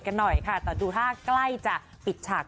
กันหน่อยค่ะเดี๋ยวดูถ้ากล้ายจะปิดฉากลง